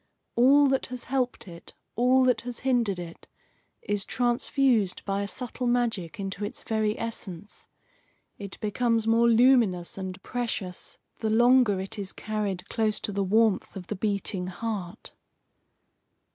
All that has helped it, all that has hindered it, is transfused by a subtle magic into its very essence. It becomes more luminous and precious the longer it is carried close to the warmth of the beating heart.